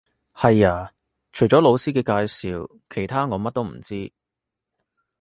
係呀，除咗老師嘅介紹，其他我乜都唔知